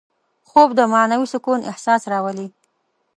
خوب د معنوي سکون احساس راولي